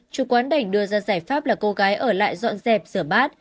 chủ quán đành đưa ra giải pháp là cô gái ở lại dọn dẹp sửa bát